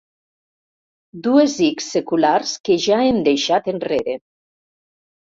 Dues ics seculars que ja em deixat enrere.